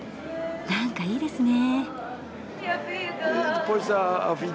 なんかいいですね。